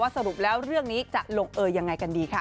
สรุปแล้วเรื่องนี้จะลงเออยังไงกันดีค่ะ